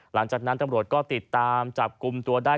หลังจากนั้นตำรวจก็ติดตามจับกลุ่มตัวได้